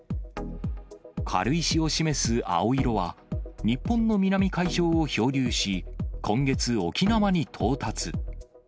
軽石を示す青色は、日本の南海上を漂流し、今月、沖縄に到達。